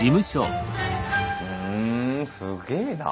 ふんすげえなあ。